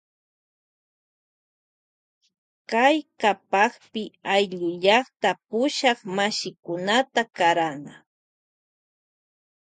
Kay kapakpi ayllullakta pushak mishkikunata karana.